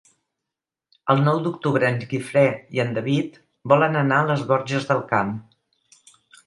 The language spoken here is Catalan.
El nou d'octubre en Guifré i en David volen anar a les Borges del Camp.